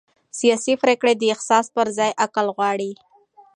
سیاسي پرېکړې د احساس پر ځای عقل غواړي